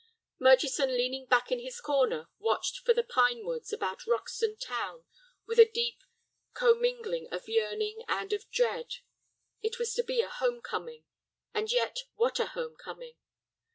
Murchison, leaning back in his corner, watched for the pine woods about Roxton town with a deep commingling of yearning and of dread. It was to be a home coming, and yet what a home coming!